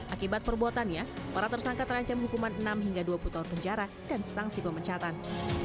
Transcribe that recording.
akibat perbuatannya para tersangka terancam hukuman enam hingga dua puluh tahun penjara dan sanksi pemecatan